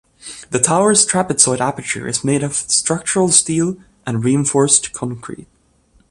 The tower's trapezoid aperture is made up of structural steel and reinforced concrete.